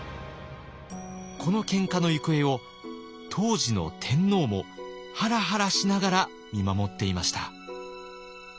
このけんかの行方を当時の天皇もハラハラしながら見守っていました。